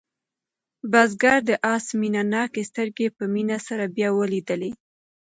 بزګر د آس مینه ناکې سترګې په مینه سره بیا ولیدلې.